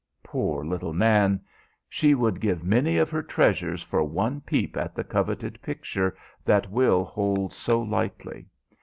Poor little Nan! She would give many of her treasures for one peep at the coveted picture that Will holds so lightly.